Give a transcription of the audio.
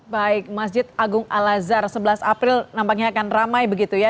baik masjid agung al azhar sebelas april nampaknya akan ramai begitu ya